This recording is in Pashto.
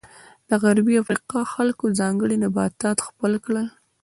د غربي افریقا خلکو ځانګړي نباتات خپل کړل.